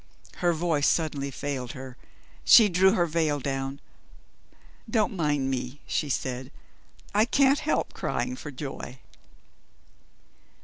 Her voice suddenly failed her; she drew her veil down. "Don't mind me," she said; "I can't help crying for joy."